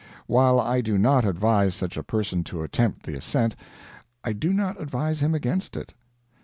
While I do not advise such a person to attempt the ascent, I do not advise him against it.